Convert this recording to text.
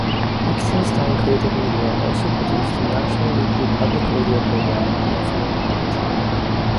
Lichtenstein Creative Media also produced the national weekly public radio program "The Infinite Mind".